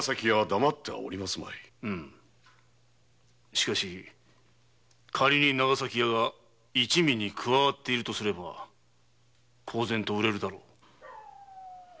しかし長崎屋が一味に加わっているとすれば公然と売れるだろ。